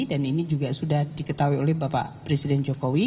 dan ini juga sudah diketahui oleh pak presiden jokowi